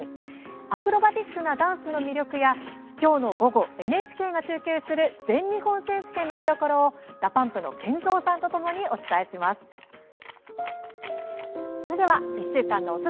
アクロバティックなダンスの魅力や今日の午後、ＮＨＫが中継する全日本選手権の見どころをＤＡＰＵＭＰのＫＥＮＺＯさんとともに、お伝えします。